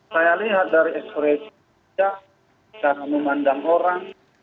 saya lihat dari ekspresi ferdisambo saya memandang orang